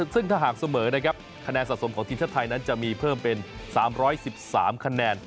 ซึ่งถ้าหากเสมอนะครับคะแนนสะสมของทีมชาติไทยนั้นจะมีเพิ่มเป็น๓๑๓คะแนน